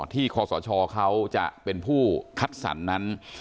ที่คศชจะเป็นผู้คัดสรรนั้น